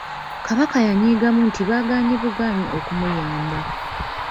Kabaka yanyiigamu nti bagaanyi bugaanyi okumuyamba.